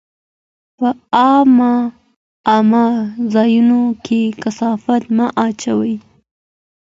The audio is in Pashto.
په عامه ځایونو کې کثافات مه اچوئ.